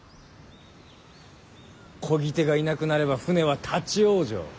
こぎ手がいなくなれば舟は立往生。